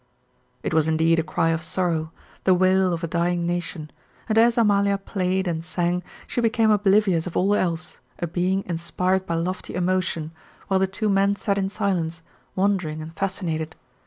It was indeed a cry of sorrow, the wail of a dying nation, and as Amalia played and sang she became oblivious of all else a being inspired by lofty emotion, while the two men sat in silence, wondering and fascinated.